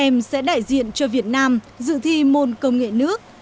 em sẽ đại diện cho việt nam dự thi môn công nghệ nước